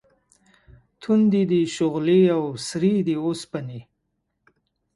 تُندې دي شغلې او سرې دي اوسپنې